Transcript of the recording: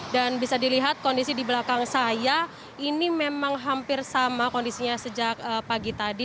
bisa dilihat kondisi di belakang saya ini memang hampir sama kondisinya sejak pagi tadi